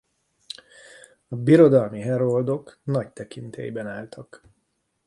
A birodalmi heroldok nagy tekintélyben álltak.